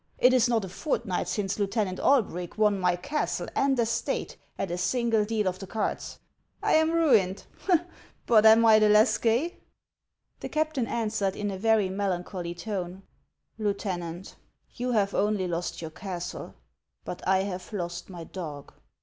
It is not a fortnight since Lieutenant Alberick won my castle and estate at a single deal of the cards. I am ruined ; but am I the less gay ?" The captain answered in a very melancholy tone :" Lieutenant, you have only lost your castle ; but I have lest my dog."